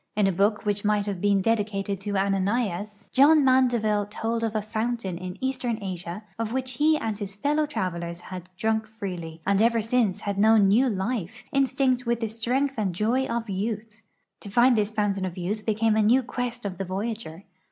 In a book which might have been dedicated to Ananias, John ISIandeville told of a fountain in eastern Asia of Avhich he and his fellow travelers had drunk freely, and ever since had known new life, instinct with the strength and joy of youth. J'o find this fountain of youth became a new quest of the voyager.